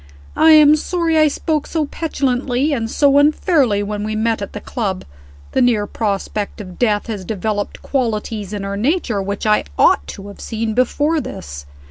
"I am sorry I spoke so petulantly and so unfairly when we met at the club. The near prospect of death has developed qualities in her nature which I ought to have seen before this.